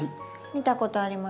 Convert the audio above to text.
見たことあります。